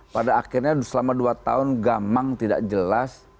pada akhirnya selama dua tahun gamang tidak jelas